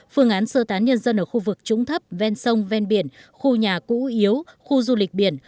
phương án sơ tán nhân dân ở khu vực trũng thấp ven sông ven biển khu nhà cũ yếu khu du lịch biển